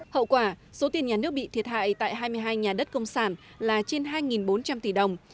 hậu quả số tiền nhà nước bị thiệt hại tại hai mươi hai nhà đất công sản là trên hai bốn trăm linh tỷ đồng